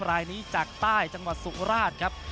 นักมวยจอมคำหวังเว่เลยนะครับ